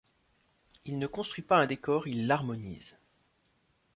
Il ne construit pas un décor, il l'harmonise.